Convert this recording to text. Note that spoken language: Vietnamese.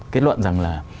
kết luận rằng là